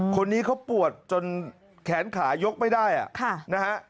คนนี้เขาปวดจนแขนขายกไม่ได้นะฮะ